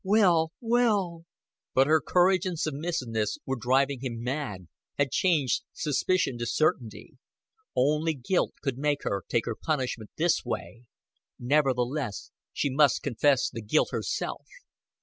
"Will!" "Will!" But her courage and submissiveness were driving him mad, had changed suspicion to certainty. Only guilt could make her take her punishment this way. Nevertheless she must confess the guilt herself.